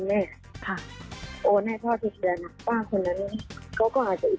มันไม่พอสำหรับครอบครัวของคุณพ่อ